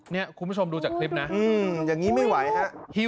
คุณผู้ชมดูจากคลิปนะอย่างนี้ไม่ไหวฮะ